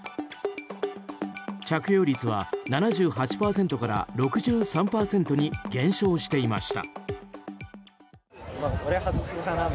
着用率は７８％から６３％に減少していました。